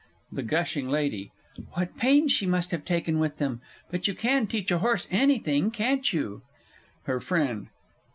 THE GUSHING LADY. What pains she must have taken with them; but you can teach a horse anything, can't you? HER FRIEND.